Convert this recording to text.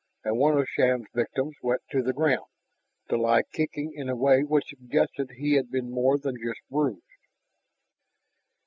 And one of Shann's victims went to the ground, to lie kicking in a way which suggested he had been more than just bruised.